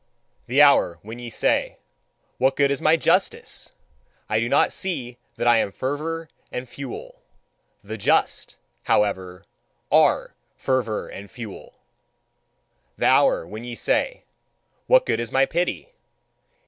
The hour when ye say: "What good is my justice! I do not see that I am fervour and fuel. The just, however, are fervour and fuel!" The hour when ye say: "What good is my pity!